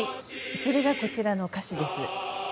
それがこちらの歌詞です。